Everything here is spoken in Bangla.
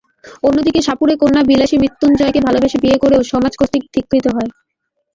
অন্যদিকে, সাপুড়ে কন্যা বিলাসী মৃত্যুঞ্জয়কে ভালোবেসে বিয়ে করেও সমাজ কর্তৃক ধিক্কৃত হয়।